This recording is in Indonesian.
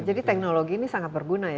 jadi teknologi ini sangat berguna ya